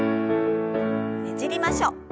ねじりましょう。